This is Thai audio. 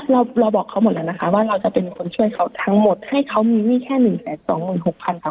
เราบอกเขาหมดแล้วนะคะว่าเราจะเป็นคนช่วยเขาทั้งหมดให้เขามีหนี้แค่๑๒๖๐๐ค่ะ